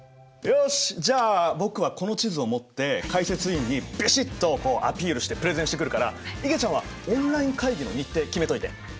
よしじゃあ僕はこの地図を持って解説委員にビシッとアピールしてプレゼンしてくるからいげちゃんはオンライン会議の日程決めといて。